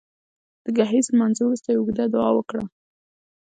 د ګهیځ لمانځه وروسته يې اوږده دعا وکړه